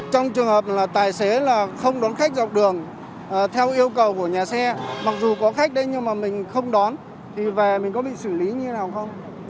trong trường hợp là tài xế là không đón khách dọc đường theo yêu cầu của nhà xe mặc dù có khách đây nhưng mà mình không đón thì về mình có bị xử lý như thế nào không